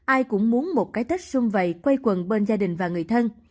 ai cũng muốn một cái tết xung vầy quay quần bên gia đình và người thân